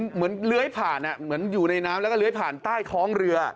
เหมือนเลื้อยผ่านเหมือนอยู่ในน้ำแล้วก็เลื้อยผ่านใต้ท้องเรือ